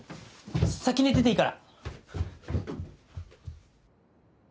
先寝てていいから。